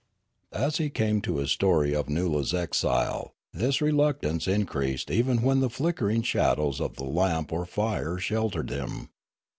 As he came to his story of Noola's exile, this re luctance increased even when the flickering shadows of the lamp or fire sheltered him.